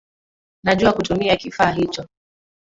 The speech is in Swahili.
Najua kutumia kifaa hicho